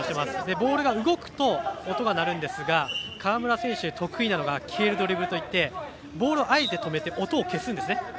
ボールが動くと音が鳴るんですが川村選手、得意なのが消えるドリブルといってボールをあえて止めて音を消すんですね。